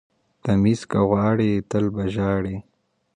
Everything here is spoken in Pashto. ـ تميز که غواړئ تل به ژاړئ.